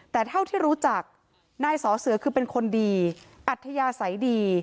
แต่เท่าที่รู้จักนายสอเสือคือเป็นคนดีอัธยาศัยดี